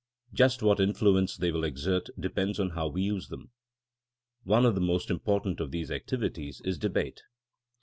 Just what influence they will exert depends on how we use them. One of the most important of these activities is debate.